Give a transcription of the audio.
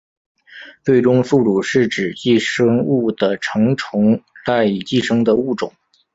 最终宿主是指寄生物的成虫赖以寄生的物种。